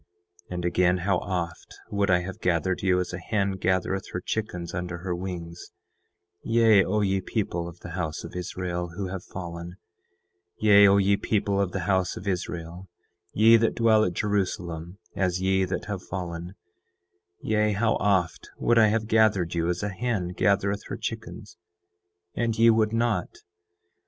10:5 And again, how oft would I have gathered you as a hen gathereth her chickens under her wings, yea, O ye people of the house of Israel, who have fallen; yea, O ye people of the house of Israel, ye that dwell at Jerusalem, as ye that have fallen; yea, how oft would I have gathered you as a hen gathereth her chickens, and ye would not.